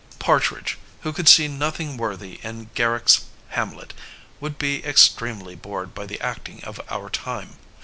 Partridge, who could see nothing worthy in Gar rick ^s Hamlet, would be extremely bored by the act ing of our time.